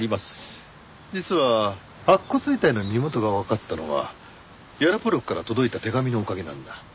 実は白骨遺体の身元がわかったのはヤロポロクから届いた手紙のおかげなんだ。